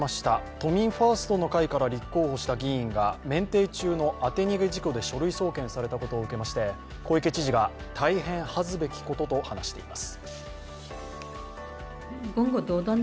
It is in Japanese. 都民ファーストの会から立候補した議員が免停中の当て逃げ事故で書類送検されたことを受けまして小池知事が大変恥ずべきことと話しています。